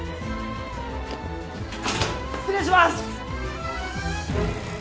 失礼します！